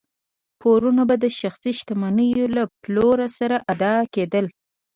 پورونه به د شخصي شتمنیو له پلور سره ادا کېدل.